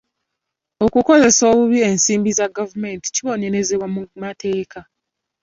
Okukozesa obubi ensimbi za gavumenti kibonerezebwa mu mateeka.